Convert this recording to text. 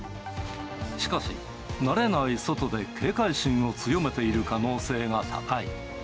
しかし、慣れない外で警戒心を強めている可能性が高い。